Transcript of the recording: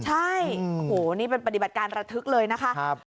ใช่โอ้โหนี่เป็นปฏิบัติการระทึกเลยนะคะ